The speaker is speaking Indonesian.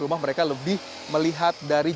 rumah mereka lebih melihat dari